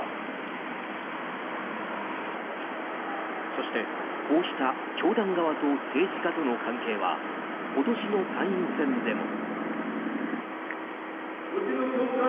そして、こうした教団側と政治家との関係は今年の参院選でも。